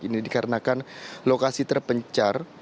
ini dikarenakan lokasi terpencar